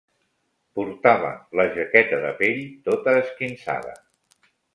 Portava la jaqueta de pell tota esquinçada